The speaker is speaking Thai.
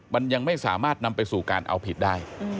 มันยังไม่สามารถนำไปสู่การเอาผิดได้